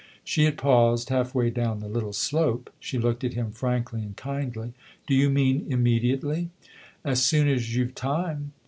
She had paused half way down the little slope; she looked at him frankly and kindly. "Do you mean immediately ?"" As soon as you've time."